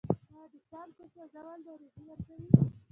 آیا د څانګو سوځول ناروغۍ ورکوي؟